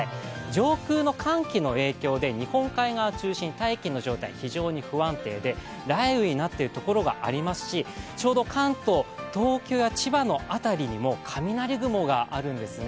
上空の寒気の影響で日本海側を中心に大気の状態が、非常に不安定で雷雨になっているところがありますしちょうど関東、東京や千葉の辺りにも雷雲があるんですね。